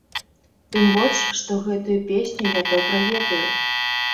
Тым больш, што гэтую песню я добра ведаю.